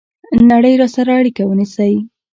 نړۍ سره اړیکه ونیسئ